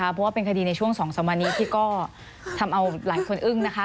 เพราะว่าเป็นคดีในช่วง๒๓วันนี้ที่ก็ทำเอาหลายคนอึ้งนะคะ